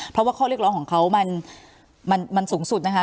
เพราะว่าข้อเรียกร้องของเขามันสูงสุดนะคะ